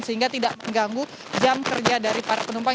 sehingga tidak mengganggu jam kerja dari para penumpang